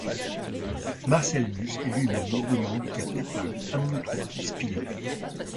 Marcel Nuss est lui-même lourdement handicapé par une amyotrophie spinale.